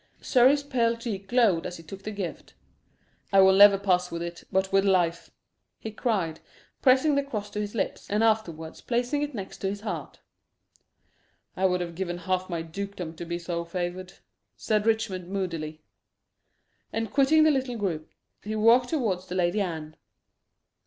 Surrey's pale cheek glowed as he took the gift. "I will never past with it but with life," he cried, pressing the cross to his lips, and afterwards placing it next his heart. "I would have given half my dukedom to be so favoured," said Richmond moodily. And quitting the little group, he walked towards the Lady Anne.